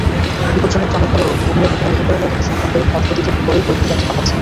বিপজ্জনক জানার পরেও অভিভাবকেরা নিরুপায় হয়ে তাঁদের সন্তানদের ভটভটিতে করেই পরীক্ষাকেন্দ্রে পাঠাচ্ছেন।